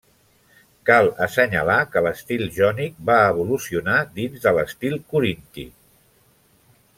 Cal assenyalar que l'estil jònic va evolucionar dins de l'estil corinti.